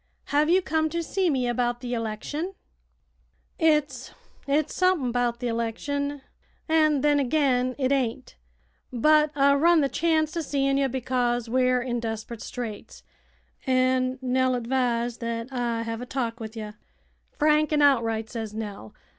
"Have you come to see me about the election?" "It's it's sump'n 'bout the 'lection, an' then agin it ain't. But I run the chanct o' seein' ye, because we're in desprit straits, an' Nell advised that I hev a talk with ye. 'Frank an' outright,' says Nell.